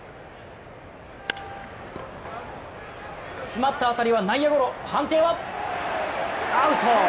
詰まった当たりは内野ゴロ判定はアウト！